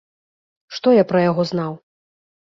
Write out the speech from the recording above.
Што я пра яго знаў?